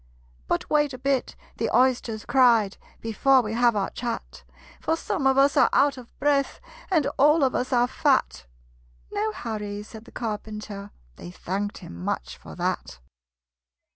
"But wait a bit," the Oysters cried, "Before we have our chat; For some of us are out of breath, And all of us are fat!" "No hurry," said the Carpenter: They thanked him much for that.